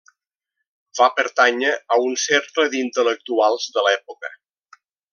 Va pertànyer a un cercle d'intel·lectuals de l'època.